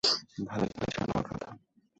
ভালই হয়েছে আনোয়ার, গাধা।